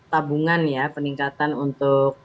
tabungan ya peningkatan untuk